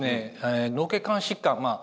脳血管疾患まあ